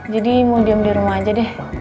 jadi mau diem di rumah aja deh